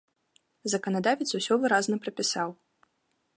Заканадавец усё выразна прапісаў.